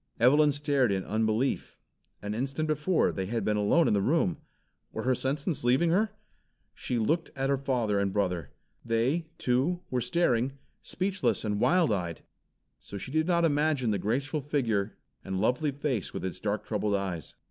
Evelyn stared in unbelief. An instant before they had been alone in the room! Were her senses leaving her? She looked at her father and brother. They, too, were staring, speechless and wild eyed. So she did not imagine the graceful figure and lovely face with its dark troubled eyes.